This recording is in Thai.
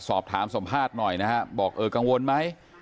สอบถามสัมภาษณ์หน่อยนะฮะบอกเออกังวลไหม